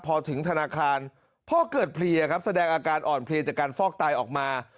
พอถึงธนาคารพ่อเกิดเพลียครับแสดงอาการอ่อนเพลียจากการฟอกไตออกมา